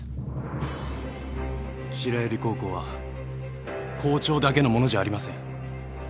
白百合高校は校長だけのものじゃありません。